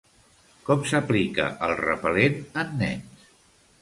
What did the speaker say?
Com s’aplica el repel·lent en nens?